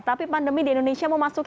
tapi pandemi di indonesia memasuki